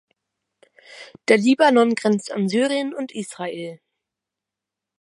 Der Libanon grenzt an Syrien und Israel.